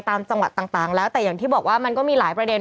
ตามจังหวัดต่างแล้วแต่อย่างที่บอกว่ามันก็มีหลายประเด็น